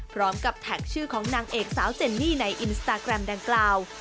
พร้อมกับแท็กชื่อของนางเอกสาวเจนนี่ในอินสตาแกรมดังกล่าว